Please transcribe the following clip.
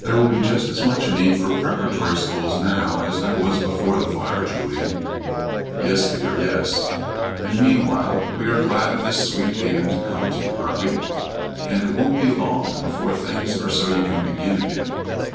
"There will be just as much need for preparatory schools now as there was before the fire, Julien." "Yes, dear, yes." "And, meanwhile, we are glad of this sweet haven to come to, aren't we? And it won't be long before things are so you can begin again."